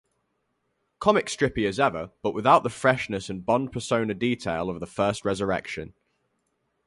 Comic-strippy as ever, but without the freshness and Bond-persona detail of the first resurrection.